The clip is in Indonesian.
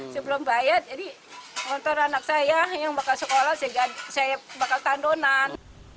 sebelum bayar jadi motor anak saya yang bakal sekolah saya bakal tandonan